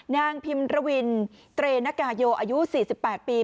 นางพิมรวินเตรนกาโยอายุสี่สิบแปดปี